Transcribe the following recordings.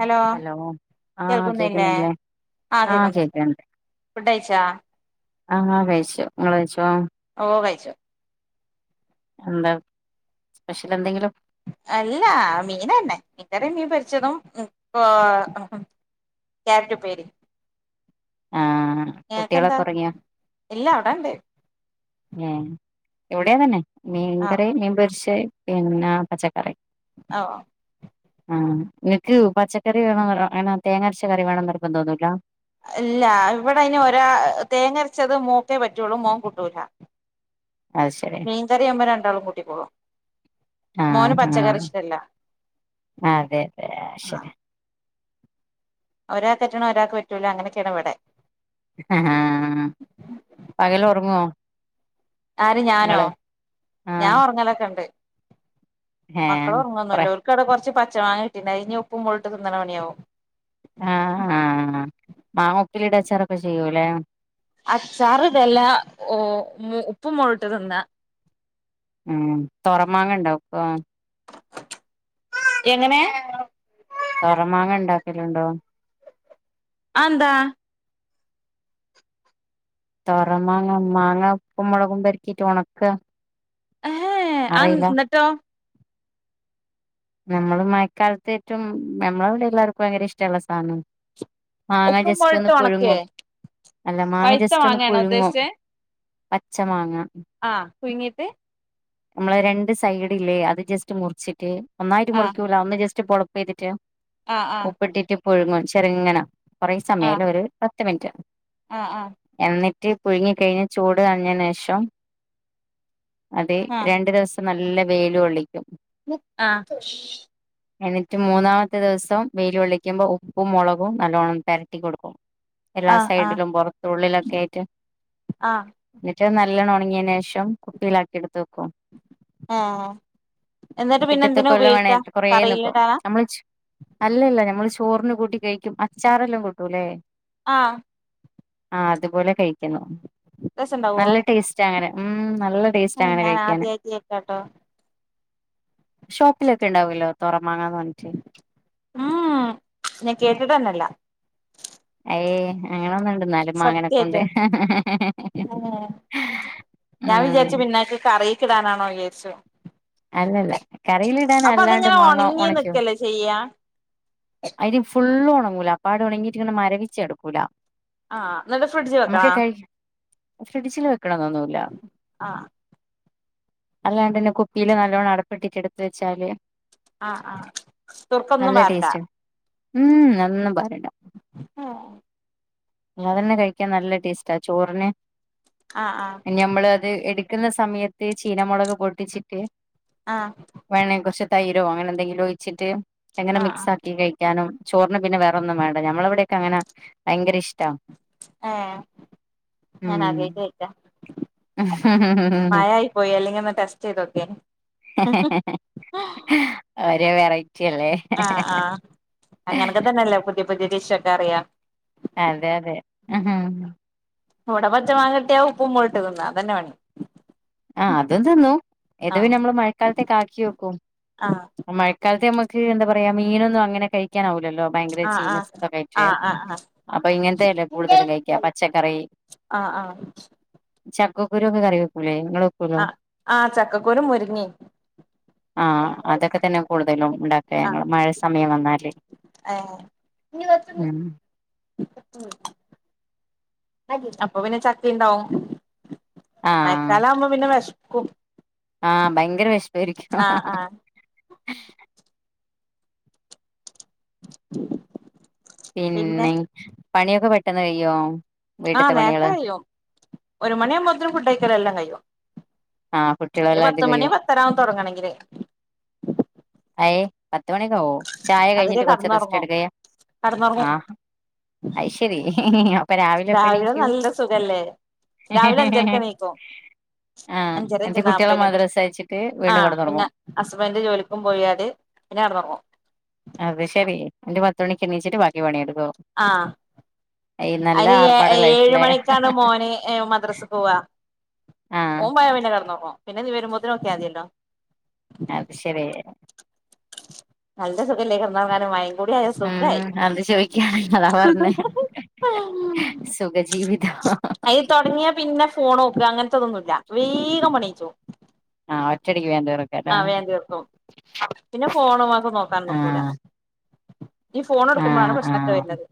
Hello ആഹ് കേൾക്കുന്നില്ലേ കേക്കുന്നില്ലേ ആ ആഹ് കേൾക്കുണ്ട് കേക്ക്ണ്ട് ഫുഡയച്ചാ ആഹ് ആഹ് കഴിച്ചോ നിങ്ങള് കഴിച്ചോ. ഓ കഴിച്ചു എന്താ സ്പെഷ്യൽ എന്തെങ്കിലും. അല്ലാ മീന് തന്നെ ഇത്തിരി മീൻ പൊരിച്ചതും [unintelligible] ക്യാരറ്റ് ഉപ്പേരിയും. ആഹ് കുട്ടികളൊക്കെ ഒറങ്ങിയോ [unintelligible] ഇല്ലാ അവിടെ ഉണ്ട്. ഏഹ് ഇവിടെയാ ത മീൻ കറി മീൻ പൊരിച്ച. പേ പിന്നെ പച്ചക്കറി. ആഹ് ആഹ് നിനക്ക് പച്ചക്കറി വേണമെന്ന് അങ്ങനെ തേങ്ങരച്ച കറി വേണമെന്ന് നിർബന്ധമൊന്നുമില്ല. ഇല്ല ഇവിടെ ഇനി ഒരാ തേങ്ങരച്ചത് മോക്ക് പറ്റുള്ളൂ മോൻ കൂട്ടൂല. അത് ശരി മീൻകറിയുമ്പോ രണ്ടാളും കൂട്ടിക്കോളൂ മോന് ആഹ് പച്ചക്കറി ആഹ് ഇഷ്ടല്ല അതെ അതെ അത് ശരി ആഹ്. ഒരാൾക്ക് പറ്റുന്നത് ഒരാൾക്ക് പറ്റൂലോ അങ്ങനൊക്കെയാണ് ഇവിടെ. ആഹ് പകൽ ഉറങ്ങുമോ. ആര് ഞാനോ ഞാൻ ആഹ് ഉറങ്ങലൊക്കെ ഉണ്ട്. മക്കള ഏഹ് കൊറെ ഉറങ്ങൊന്നല്ല ഒരെക്ക് അവിടെ കുറച്ച് പ ചായ ഇട്ട് ഇനി ഉപ്പും മുളകും ഇട്ട് തിന്നണേ പണിയാവും. ആഹ് ആഹ് മാങ്ങ ഉപ്പിലിട്ട അച്ചാറൊക്കെ ചെയ്യൂല്ലേ. അച്ചാറ് ഇതെല്ല ഓ ഉപ്പ് മുളകുമിട്ട് തിന്നാ. ഉം തൊറമാങ്ങ ഉണ്ടാവു. എങ്ങനെ തോറമാങ്ങ ഉണ്ടാക്കൽ ഉണ്ടോ. അതെന്താ തോറമാങ്ങ മാങ്ങ ഉപ്പ മുളകും പെരട്ടിയിട്ട് ഉണക്ക. ഹ് ആ അറിയില്ല എന്നിട്ടോ. നമ്മള് മഴക്കാലത്തേറ്റും നമ്മളെ വടെ എല്ലാർക്കും ഭയങ്കര ഇഷ്ടള്ള സാന. മാങ്ങ ഉപ്പും മോളിട്ട് ജസ്റ്റൊന്ന് ഒണക്കേ പുഴുങ്ങും അല്ല മാങ്ങ പഴുത്ത ജസ്റ്റൊന്ന് മാങ്ങയാണോ പുഴുങ്ങും. പച്ചമാങ്ങ. ആഹ് പുഴ്ങ്ങീട്ട്. നമ്മള് രണ്ട് സൈഡ് ഇല്ലേ അത് ജസ്റ്റ് മുറിച്ചിട്ട് നന്നായിട്ട് ആ മുറിക്കൂല ഒന്ന് ജസ് - [unintelligible] ആ ആ ഉപ്പിട്ടിട്ട് പുഴുങ്ങും ചെറങ്ങനെ [unintelligible] കുറേ ആ സമയയവല്ല ഒരു പത്ത് മിനിറ്റ് ആ ആ ആ എന്നി ഇട്ട് പുഴുങ്ങി കഴിഞ്ഞു ചൂട് കളഞ്ഞതിനുശേഷം- അതെ ആ രണ്ടു ദിവസം നല്ല- വെയില് കൊള്ളിക്കും ആഹ് എന്നിട്ട് മൂന്നാമത്തെ ദിവസം വെയിലൊള്ളിക്കുമ്പോ ഉപ്പും മുളകും നല്ലോണ്ണം പെരട്ടി കൊടുക്കും എല്ലാ ആ ആ സൈഡിലും പൊറത്തുള്ളിലൊക്കെ ആയിട്ട് ആ നല്ലോണം ഉണങ്ങിയതിന് ശേഷം കുപ്പിലാക്കി എടുത്തുവയ്ക്കും ആഹ് എന്നിട്ട്- പിന്നെ പിറ്റത്തെ എന്തിനാ കൊല്ലവാണേ ഉപയോഗിക്കാ കുറേനിക്കും കറിയിലിടാനാ നമ്മള് ചു അല്ലല്ല ഞമ്മൾ ചോറിന് കൂട്ടി കഴിക്കും അച്ചാറെല്ലാം കൂട്ടൂലെ. ആഹ് ആ അതുപോലെ കഴിക്കണം രസണ്ടാവോ നല്ല ടേസ്റ്റ് അങ്ങനെ ഉം നല്ല ടേസ്റ്റ് ഏഹ് അങ്ങനെ ഞാൻ കഴിക്കാന് ആദ്യായിട്ട് കേക്കാട്ടോ ഷോപ്പിലൊക്കെ ഇണ്ടാവല്ലോ തൊറമാങ്ങാന്ന് പറഞ്ഞിട്ട് ഉം ഞാൻ കേട്ടിട്ടന്നല്ല അയ്യേ അങ്ങനൊന്നു സത്യായിട്ടും ഏഹ് ഞാൻ ഉം വിചാരിച്ചു പിന്നേക്ക് കറി ക്കിടാനാണോ വിചാരിച്ചു അല്ലല്ല കറിയിലിടാന അപ്പൊ അല്ലാണ്ട് അതിങ്ങനെ മാങ്ങാ ഉണങ്ങി ഒണയ്ക്കും നിക്കല്ലേ ചെയ്യാ അയില് ഫുള്ള് ഒണങ്ങൂല അപ്പാടെ ഒണങ്ങിട്ട് ഇങ്ങനെ മരവിച്ച് കെടക്കൂല ആഹ് എന്നിട്ട് ഫ്രിഡ്ജി വെക്കണാ? ഫ്രിഡ്ജി വെക് ക്കണന്നൊന്നുല്ല ആഹ് അല്ലാണ്ടന്നെ കുപ്പിയില് നല്ലോണം അടപ്പിട്ടിട്ട് എടുത്ത് വെച്ചാല് ആഹ് ആഹ് സുർക്കൊന്നും നല്ല പാരണ്ട ടേസ്റ്റ് ഉം ഒന്നും പാര ആ [unintelligible] കഴിക്കാൻ നല്ല ടേസ്റ്റാ ചോറിന് ആഹ് ആഹ് ഇനി നമ്മള് അത് എട് ക്കുന്ന സമയത്ത് ചീനമൊളക് പൊട്ടിച്ചിട്ട് ആഹ് വേണേ കുറച്ച് തൈരോ അങ്ങനെ എന്തെങ്കിലും ഒയിച്ചിട്ട് എങ്ങനെ ആഹ് മിക്സ് ആക്കി കഴിക് അനോ ചോറിന് പിന്നെ വേറൊന്നും വേണ്ട ഞമ്മളവിടെക്കെങ്ങനാ ഭയങ്കര ഇഷ് ഏ ഞാൻ ആദ്യായിട്ട് കേക്ക മഴയായി പോയി അല്ലെങ്കി ഒന്ന് ടെസ്റ്റ് ചെയ്തോക്യാനെ ഉം ചെല്ലേ അങ്ങനോക്കെ തന്നെ അല്ലേ പുതി പുതിയ ഡിഷ്‌ ഒക്കെ അറിയാം അതെ അതെ ഉം. ഇവിട പച്ച മാങ്ങട്ടിയ ഉപ്പും മോളുംട്ട് തിന്ന അത തന്നെ പണി ആ അതും തിന്നു ഇതും ആഹ് പിന്നെ നമ്മള് മഴക്കാലത്തകാക്കി വെക്കും ആഹ് ആ മഴക്കാലത്തെ നമ്മുക് ത് എന്താ പറയാ മീനൊന്നുംങ്ങനെ കഴിക്കാനാവില്ല ല്ലല്ലോ ആഹ് ഭയങ്കരചീഞ ആഹ് [unintelligible] ആഹ് ആഹ് അപ്പൊ ഇങ്ങനത്തെല്ലേ കൂടുതലും കഴിക്ക പച്ചക്കറി ആഹ് ആഹ് ച്ചപ് ചക്കക്കുരു ഒക്കെ കറി വെക്കൂലേ നിങ്ങള് വെക്കൂലോ ആ ആ ചക്കക്കുരു മുരുങ്ങേ ആ അതൊക്കെ തന്നെ കൂടുതലും ഇണ്ടാക്കെ ഞങ്ങള് മഴ സമയം വന്നാല് ഏഹ് ഉം അപ്പൊ പിന്നെ ചക്ക ഇണ്ടാവും ആ മഴക്കാലവുബം പിന്നെ വിശപ് ക്കും ആ ഭയങ്കര വിശപ് ശരിക്കും ഹ ഹ ആഹ് ഹ പിന്നെ പണിയൊക്കെ പെട്ടെന്ന് കഴ്യൊ ആ നേരത്തെ കഴിയും ഒരു മണിയാകുമ്പോത്തും ഫുഡഴിക്കല് എല്ലാം കഴിയും ആ ഒരു കുട്ടികളെല്ലാതും കഴിയോ പത്തുമണി പത്തരാവും തൊടങ്ങണങ്കില് അ ഏ പത്ത് മണിക്കാവോ ചായ അതുവരെ കഴിഞ്ഞിട്ട് കൊറച്ച് റെസ്റ്റ് കടന്നുറങ്ങും എടുക്കയാ ആ കടന്നുറങ്ങും അയ് ശരി അപ്പൊ എപ്പ രാവിലെ എണീക്കും നല്ല സുഖല്ലേ രാവിലെ അഞ്ചരക്കെ നീക്കും ആഹ് അഞ്ചരഞ്ച എന്നിട്ട് കുട്ടികളെ നാല്പ്പ മദ്രസ അയച്ചിട്ട് ആ വീണ്ടും കിടന്നുറങ്ങും പിന്നെ ഹസ്ബൻന്റെ ജോലിക്കും പോയാല് പിന്നെ കടന്നുറങ്ങും അത് ശെരി എന്റെ പത്തു മണിക്ക് എണീച്ചിട്ട് ബാക്കി എടുക്കും ആ നല്ല അയിന് ആർഭാട ഏഴ് ലൈഫിലെ മണിക്കാണ് മോന് മദ്രസക്ക് പോവ ആഹ് ഓൻ പോയാൽ പിന്നെ കടന്നുറങ്ങും പിന്നെ വരുമ്പോൾ നോക്കിയാൽ മതിയല്ലോ അത് ശരി നല്ല സുഖല്ലേ കിടന്നുറങ്ങാൻ മഴ മഴയും കൂടിയായ സുഖമായി ഉം അത് ചോദിക്കാണ് അതാ പറഞ്ഞെ ഹിഹി സുഖജീവിതം അത് തുടങ്ങിയ പിന്നെ ഫോൺ നോക്കൽ അങ്ങനത്തതൊന്നുമല്ല വേഗം പണികഴിച്ചും ആഒറ്റടിക്ക് വേഗം തീർക്കും ആ വേണ്ടീർക്കും പിന്നെ ഫോൺ ഒക്കെഒന്ന് നോക്കാൻ നീക്കൂല ആ വരുന്നത്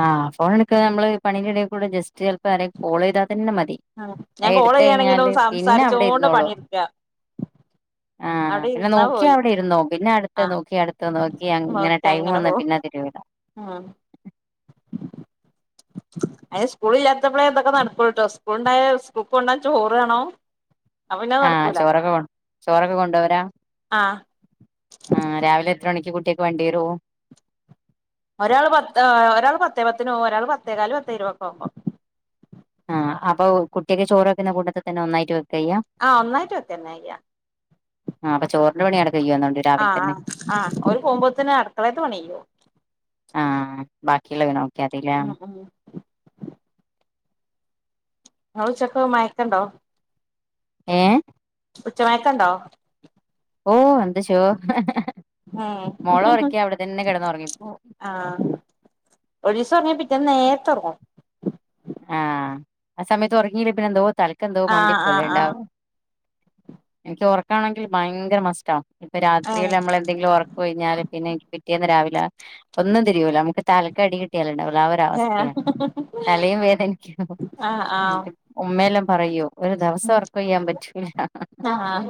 ആആ ഫോൺ എടുക്ക നമ്മള് പണിന്റിടെകൂടെ ജസ്റ്റ് ചിലപ്പോ ആരേല് കോള് യ്താ പിന്നെമതി ഞാൻ കോൾ എടുത്ത് ചെയ്യാണെങ്കിലും കഴിഞ്ഞാല് പിന്നെ അവിടെ സംസാരിച്ചോണ്ട് ഇരുന്നോളു പണിയെടുക്കുക ആ അവിടെ പിന്നെ ഇരുന്നാ നോക്കിയ പോയി അവിടെ ഇരുന്നോ പിന് ആ അടുത്ത നോക്കി അടുത്ത നോക്കി അങ്നെ ടൈമ് വന്ന്‌ പിന്നതില് [inaudible] വിടാം. മ് അയിന് സ്കൂളില്ലാത്തപ്ളെ ഇതൊക്കെ നടക്കൂൾട്ടോ സ്കൂൾണ്ടായ സ് കൂൾക്ക് കൊണ്ടാവാൻ ചോറാണം ആ ചോറൊക്കെ ചോറൊക്കെ കൊണ്ടോവലാ ആ ആ രാവിലെ എത്രണിക്ക് കുട്ടിയ്ക്ക് വണ്ടി വരൂ? ഒരാള് പത് ആ ഒരാള് പത്തേ പത്തിനോകും ഒരാള് പത്തേക്കാല് പത്തേരുപക്കാവുമ്പോ. ആ അപ്പൊ കുട്ടിയ്ക്ക് ചോറ് വെക്കുന്ന കൂട്ടത്തി തന്നെ ഒന്നായിട്ട് വെ യ് ആ ഒന്നായിട്ട് വെക്കെന്നെയ്യാ ആഹ് അപ്പൊ ചോറിന്റെ പണി അവിടെ കഴിയുന്നുണ്ട് ആ രാവിലെ തന്നെ ആ ആ അവരു പോമ്പോത്തനും അടുക്കളെയ്ത്തെ പണികയ്യും. [inaudible] [inaudible] എതിലാ അവിടെ ചക്കയും, മാങ്ങയും യൊക്കൊണ്ടോ? ഏ? ഉച്ചമയക്കൊണ്ടോ? ഓ എന്തുശുവ മോളെ ഉം ഒറക്കി അവിടെത്തന്നെ കെടന്നൊറങ്ങിപ്പോകും ഒര് ദിവസം ഉറങ്ങിയാൽ പിറ്റേന്ന്‌ നേരത്ത ഒറങ്ങും. ആഹാ ആ സമയത്ത് ഒറങ്ങിലേ പിന്നെന്തോ തലക്കെന്തോ ആഹ് മന്തിപ്പ്പ്പോല ആഹ് ഉണ്ടാവും. എനിക്ക് ഒറക്കാണെങ്കിൽ ഭയങ്കര മസ്റ്റാ. രാത്രില് ആഹ് നമ്മളെന്തെങ്കിലും ഒറക്കൊഴിഞ്ഞാല് പിന്നെനിക്ക് പിറ്റേന്ന് രാവില് ല്ല ഒന്നും തിരിയൂലാ നമുക്ക് തലക്കടി കിട്ടിയോലെണ്ട ആ [unintelligible] വേദനിക്കും ന്നിട്ട് ഉമ്മയെല്ലാം പറയും ഒരു ദിവസം ഒർക്കൊഴിയാൻ പറ്റൂല്ല. ആഹ് ആഹ്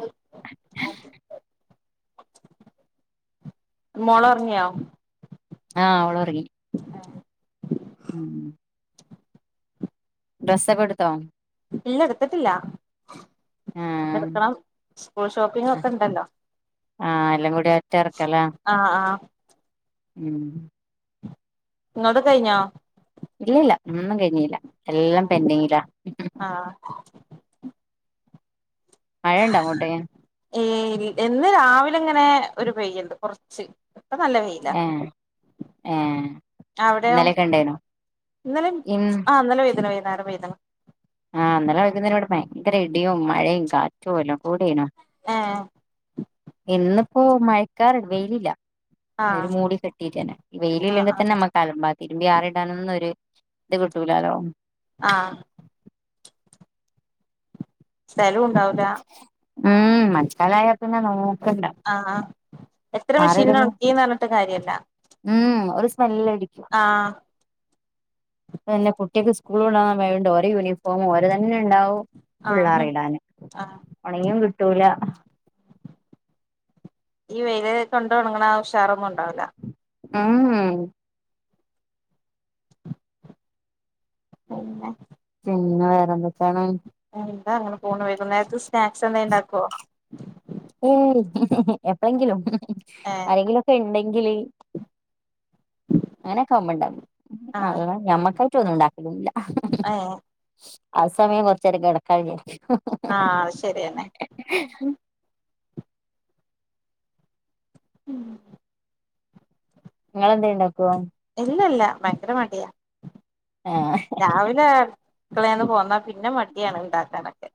മോളോറങ്ങിയോ? ആ അവളോറങ്ങി. ഉം ഡ്രസ്സൊക്കെടുത്തോ? ഇല്ല എടുത്തിട്ടില്ല. ആഹ് എടുക്കണം സ്കൂൾ ഷോപ്പിംങ്ങോക്കെണ്ടല്ലോ ആഹ് എല്ലാം കൂടി ഒറ്റ ആ ആ മ് ഇങ്ങടത് കഴിഞ്ഞോ? ഇല്ലല്ലാ ഒന്നും കഴിഞ്ഞിലാ എല്ലാം പെൻഡിങ്ങിലാ ആഹ് മഴയൊണ്ടോ അങ്ങോട്ടേക്ക്? ഏ വി എന്ന് രാവിലെങ്ങനെ ഒരു പെയ്യ്ണ്ട് കൊറച്ച്. പ്പ നല്ല വെയില ഏഹ് ഏഹ് അവിടെയോ ഇന്നലെയൊക്കെ ഉണ്ടായിനോ ഇന്നലേം ആ ന്നലെ വെയില്ണ്ട് [unintelligible] ആ ഇന്നലെ വൈകുന്നേരം ഇവിടെ ഭയങ്കര ഇടിയും മഴയും കാറ്റുംഎല്ലാം കൂടിനോ ആ [unintelligible] ക്കാറണ്ട് വെയിലില്ല അത് ഒരു ആഹ് മൂടി കെട്ടിട്ട് തന്നെ ഈ വെയില ആഹ് ഇല്ലെങ്കിൽ ആഹ് തന്നെ നമ്മുക്ക് [unintelligible] ആറിടാനന്നൊരു ഇത് കിട്ടുലാലോ ആ സലുണ് ണ്ടാവൂല ഉം മനക്കാല ആായ പിന്നെ നോ ആ ആ എത്ര മെഷീന ആറിടല് ഉണക്കീന്ന് പറഞ്ഞിട്ട് കാര്യല്ല [unintelligible] ആഹ് ന്നെ കുട്ടികക്ക് സ്കൂളണ്ടാൻ വേ യൂണിഫോമും [unintelligible] തന്നെ ഉണ്ടാവും പിള്ളേർ ആഹ് ഇടാൻ ആഹ് ഉണങ്ങും കിട്ടൂല ആ ഈ വെയിൽ കൊണ്ട് ഒണങ്ങണ ഉഷാറ് ഇണ്ടാവൂല മ് ഉ പിന്നെ വേറെന്തച്ചാണ് എന്താ അങ്ങനെ പോണു വൈകുനേരത്തെ സ്നാക്സ് എന്തായ് ഒണ്ടാക്കുവോ ഏയ് എപ്പെങ്കിലും ഏഹ് ആരെങ്കിലുമൊക്കെ ഇണ്ടങ്കില് അങ്ങനെക്കെമ്മണ്ടാക്കും അ ആഹ് ഞമ്മക്ക [unintelligible] ഉണ്ടാക്ക് തരൂല ഏഹ് ആ സമയം കൊറച്ചേരം കെടക്ക വിചാരിക്കും ആഹ് അത് ശെരിയെന്നെ ഉം നിങ്ങളെന്തേ ഇണ്ടാക്കുവാ ഇല്ലല്ല ഭയങ്കര മടിയാ രാവിലെ അടുക്കളെന്ന് പോന്നാ പിന്നെ മടിയാണ് ഉണ്ടാക്കാനൊക്കെ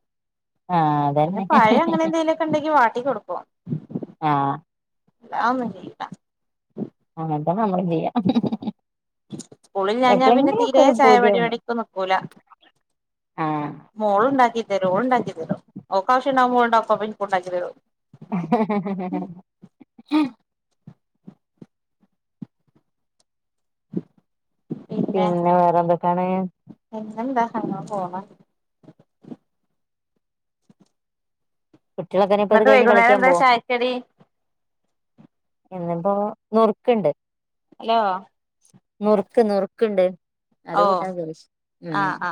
ആഹ് പിന്നെ അതന്നെ പയം അങ്ങനെ എന്തെലുമൊക്കെ ഉണ്ടെങ്കി വ ട്ടി കൊടുക്കും ആ അല്ലതൊന്നും ചെയൂല [unintelligible] സ്കൂളിൽ ഞാൻ ഞാൻ പിന്നെ എപ്പളെങ്കിലും ഒക്കെ തീരെ ഒരു ചായപടി പൂതിയാവുമ്പോ പണിക്ക് നിക്കൂല ആഹ് മോളുണ്ടാക്കി ഓള് ഒണ്ടാക്കിത്തരും ഓക്കാവശ്യണ്ടാവ്മ്പ ഓള് ണ്ടാക്കു അപ്പൊ നിക്കുണ്ടാക്കിത്തരു [unintelligible] പിന്നെ വേറെ എന്തൊക്കാണ് അങ്ങാപോണ് കുട്ടികളൊക്കെന്നെ ഇപ്പ ഇത് എന്നട്ട് കഴിഞ്ഞ് വൈകുന്നേരം കളിക്കാൻ എന്താ പോവോ ചായ കടി? ഇന്നിപ്പൊ നുറുക്ക്ണ്ട് ഹലോ നുറുക്ക് നുറുക്ക്ണ്ട് അത് ഓ കൂട്ടാൻ വിചാരിച്ചു ആ ഉം ആ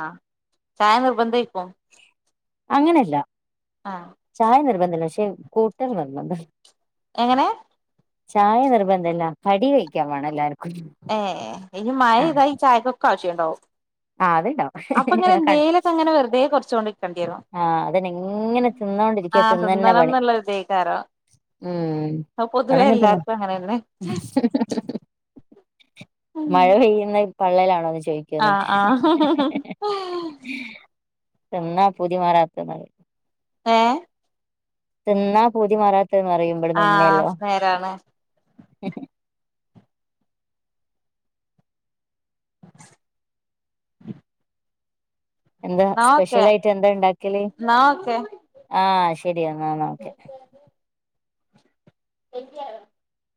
ചായ നിർബദ്ധരിക്കോ അങ്ങനല്ല ആ ചായ നിർബന്ധില്ല പക്ഷെ കൂട്ടൽ നിർബന്ധം എങ്ങനെ ചായ നിർബന്ധല്ല കടി വെയ്ക്കാൻ വേണം എല്ലാർ ഏഹ് ഇനി മഴ ഇതായി ചായക്കൊക്കെ ആവശ്യണ്ടാവും ആ അത്ണ്ടാവും അപ്പൊ ഇങ്ങനെ ക എന്തേലൊക്കെ അങ്ങനെ വെറുതെ കൊറച്ചോണ്ട്ക്കണ്ടി വരും ആ അതന്നെ ങ്ങനെ തിന്നോണ്ടിരിക്ക്യ ആഹ് തിന്നന്നെ പണി തിന്നണംന്നുള്ള ഇതേക്കാരം ഉം അത് പൊതുവേ അതങ്ങന തന്നാ എല്ലാർക്കും അങ്ങനെന്നെ [unintelligible] മഴ പെയ്യുന്ന് പള്ളേലാണോ [unintelligible] ചോയ്ക്കാണ് ആഹ് ആഹ് എന്നാ പൂതിമാറാത്തത് ഏ തിന്ന പൂതി മാറാ ത റയും ഇവിട്ന്ന് യ ആഹ് ഉമ്മയല്ലോ നേരാണ് എന്താ ന്നാ സ്പെഷ്യൽ ഓക്കെ ആയിട്ട് എന്താ ഇണ്ടാക്കല് ന്നാ ഓക്കെ ആഹ് എന്നാന്നാ ക്കെ [unintelligible]